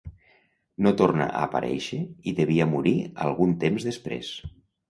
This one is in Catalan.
No torna a aparèixer i devia morir algun temps després.